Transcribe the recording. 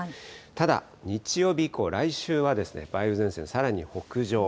ただ日曜日以降、来週は、梅雨前線さらに北上。